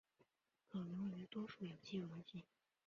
可溶于多数有机溶剂。